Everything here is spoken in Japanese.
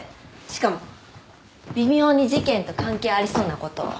しかも微妙に事件と関係ありそうなことを。